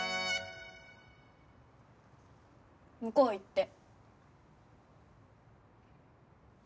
向こう行って。